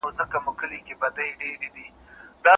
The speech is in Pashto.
د سپي محتاج